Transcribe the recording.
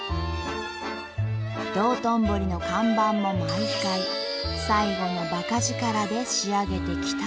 道頓堀の看板も毎回最後のばか力で仕上げてきたという。